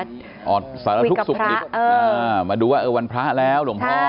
ศาลนทุกข์อ๋อมาดูว่าเออวันพระแล้วหลวงพ่อใช่